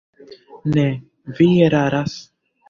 Ne, vi eraras.